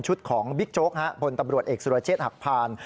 ของบิ๊กโจ๊กพลตำรวจเอกสุรเชษฐ์หักพาน